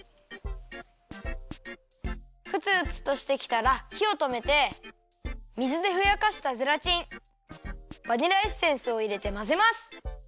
ふつふつとしてきたらひをとめて水でふやかしたゼラチンバニラエッセンスをいれてまぜます。